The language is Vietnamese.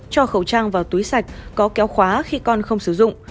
cho khẩu trang vào túi sạch có kéo khóa khi con không sử dụng